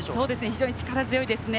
非常に力強いですね。